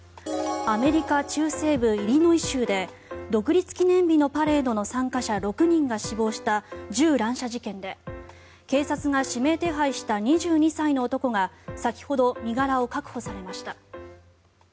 アメリカ中西部イリノイ州で独立記念日のパレードの参加者６人が死亡した銃乱射事件で警察が指名手配した２２歳の男が先ほど身柄を確保されました。